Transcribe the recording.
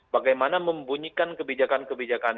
bagaimana membunyikan kebijakan kebijakan